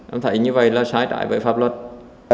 em thấy như vậy là sai trái với pháp luật